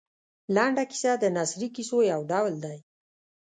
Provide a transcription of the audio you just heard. لنډه کیسه د نثري کیسو یو ډول دی.